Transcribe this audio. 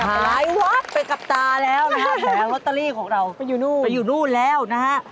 หายวัดไปกลับตาแล้วนะครับแถวลอตเตอรี่ของเราก็อยู่นู่นแล้วนะฮะ